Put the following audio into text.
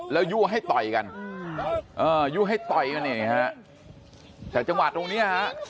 แล้วยู่ให้ต่อยกันยู่ให้ต่อยกันเนี่ยฮะแต่จังหวะตรงเนี้ยฮะ